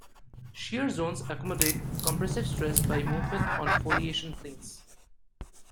Shear zones accommodate compressive stress by movement on foliation planes.